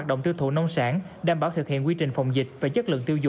trong thời gian diễn biến phức tạp của dịch bệnh covid một mươi chín